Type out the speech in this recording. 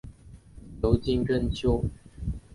尤金真蚓。